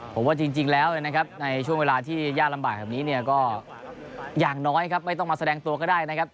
ผมว่าจริงแล้วในช่วงเวลาที่ยากลำบากแบบนี้ก็อย่างน้อยไม่ต้องมาแสดงตัวก็ได้